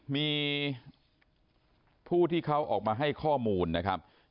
มีผู้ที่เขาออกมาให้ข้อมูลนะครับ